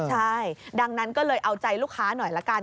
ใช่ดังนั้นก็เลยเอาใจลูกค้าหน่อยละกัน